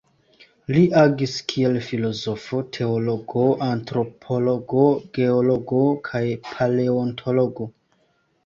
Li agis kiel filozofo, teologo, antropologo, geologo kaj paleontologo.